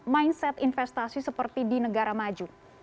mindset investasi seperti di negara maju